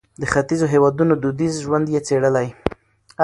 د ختیځو هېوادونو دودیز ژوند یې څېړلی.